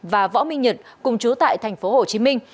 và võ minh nhật cùng chú tại thành phố hồ chí minh